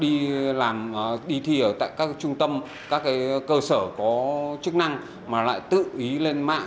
đi làm đi thi ở tại các trung tâm các cơ sở có chức năng mà lại tự ý lên mạng